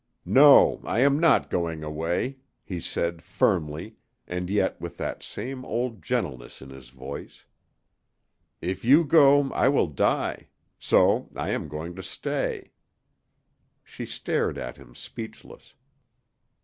"No, I am not going away," he said, firmly, and yet with that same old gentleness in his voice. "If I go you will die. So I am going to stay." She stared at him, speechless.